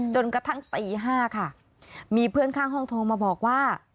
จนกระทั่งตี๕ค่ะมีเพื่อนข้างห้องโทรมาบอกว่า